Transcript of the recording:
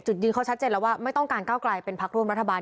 จุดยืนเขาชัดเจนแล้วว่าไม่ต้องการก้าวไกลเป็นพักร่วมรัฐบาล